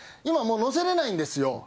今もう乗せれないんですよ